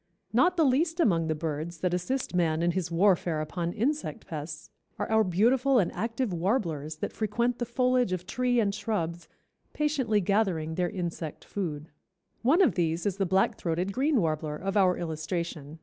Not the least among the birds that assist man in his warfare upon insect pests are our beautiful and active warblers that frequent the foliage of tree and shrubs patiently gathering their insect food. One of these is the Black throated Green Warbler of our illustration.